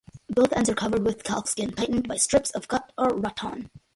Both ends are covered with calfskin, tightened by strips of gut or rattan.